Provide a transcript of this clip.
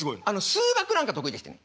数学なんか得意でしてね。